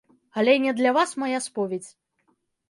Але не для вас мая споведзь.